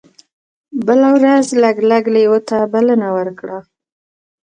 بله ورځ لګلګ لیوه ته بلنه ورکړه.